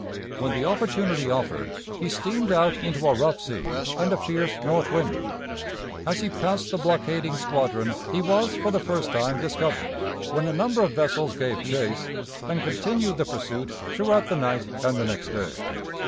When the opportunity offered, he steamed out into a rough sea and a fierce north wind. As he passed the blockading squadron he was for the first time discovered, when a number of vessels gave chase, and continued the pursuit throughout the night and the next day.